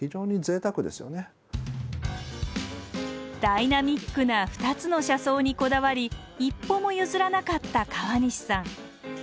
ダイナミックな２つの車窓にこだわり一歩も譲らなかった川西さん。